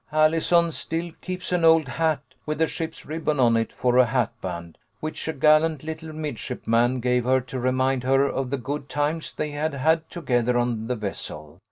Allison still keeps an old hat with the ship's ribbon on it for a hat band, which a gallant little midshipman gave her to remind her of the good times they had had together on the vessel.